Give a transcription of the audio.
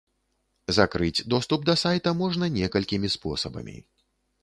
Закрыць доступ да сайта можна некалькімі спосабамі.